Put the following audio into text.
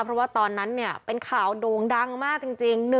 เพราะว่าตอนนั้นเป็นข่าวโด่งดังมากจริง